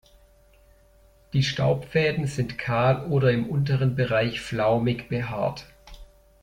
Die Staubfäden sind kahl oder im unteren Bereich flaumig behaart.